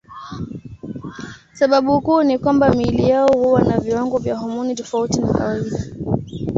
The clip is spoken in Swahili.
Sababu kuu ni kwamba miili yao huwa na viwango vya homoni tofauti na kawaida.